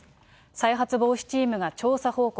再発防止チームが調査報告。